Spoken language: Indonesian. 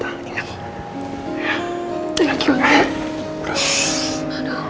thank you tante